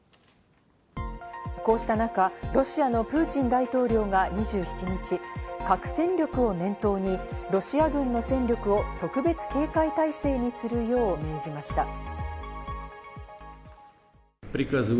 こうした中、ロシアのプーチン大統領が２７日、核戦力を念頭にロシア軍の戦力を特別警戒態勢にするよう命じました。